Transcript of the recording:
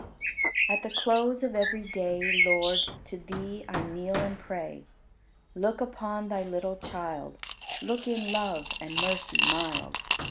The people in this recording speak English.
31. At the close of every day, Lord, to Thee I kneel and pray. Look upon Thy little child, Look in love and mercy mild.